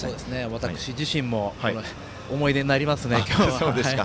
私自身も思い出になりますね、今日は。